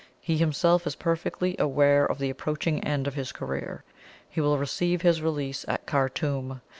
He himself is perfectly aware of the approaching end of his career; he will receive his release at Khartoum.